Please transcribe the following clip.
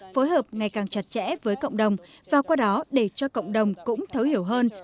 phối hợp ngày càng chặt chẽ với cộng đồng và qua đó để cho cộng đồng cũng thấu hiểu hơn